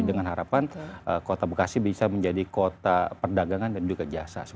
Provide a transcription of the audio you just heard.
dengan harapan kota bekasi bisa menjadi kota perdagangan dan juga jasa